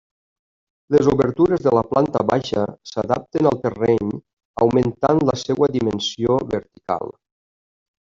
Les obertures de la planta baixa s'adapten al terreny augmentant la seva dimensió vertical.